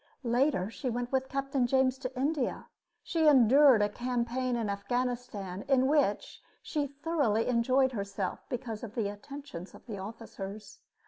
Later she went with Captain James to India. She endured a campaign in Afghanistan, in which she thoroughly enjoyed herself because of the attentions of the officers.